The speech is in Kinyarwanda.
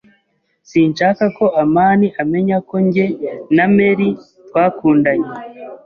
Sinshaka ko amani amenya ko njye na Mary twakundanye.